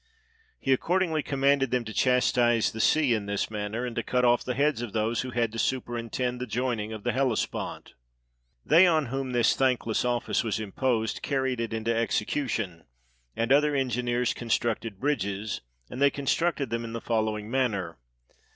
He accordingly commanded them to chastise the sea in this manner, and to cut off the heads of those who had to superintend the joining of the Hellespont. They on whom this thankless office was imposed car ried it into execution ; and other engineers constructed bridges; and they constructed them in the following manner.